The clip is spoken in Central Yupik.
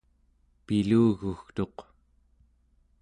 pilugugtuq